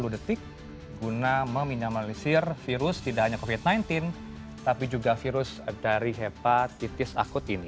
dua puluh detik guna meminimalisir virus tidak hanya covid sembilan belas tapi juga virus dari hepatitis akut ini